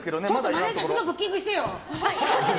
マネジャーすぐブッキングしてよ！